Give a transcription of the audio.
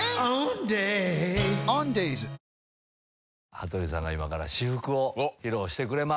羽鳥さんが今から私服を披露してくれます。